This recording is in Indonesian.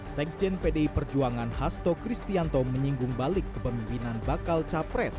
sekjen pdi perjuangan hasto kristianto menyinggung balik kepemimpinan bakal capres